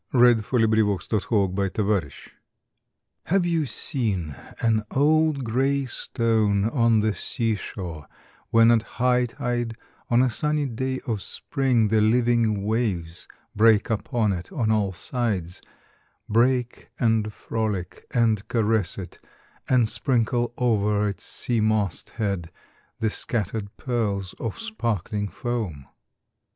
304 POEMS IN PROSE n [1879 1882] THE STONE Have you seen an old grey stone on the sea shore, when at high tide, on a sunny day of spring, the living waves break upon it on all sides — break and frolic and caress it — and sprinkle over its sea mossed head the scattered pearls of sparkling foam